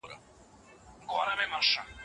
که ډیزاین پیچلی وي نو خلک به ژر ستونزه پیدا کړي.